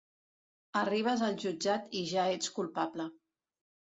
Arribes al jutjat i ja ets culpable.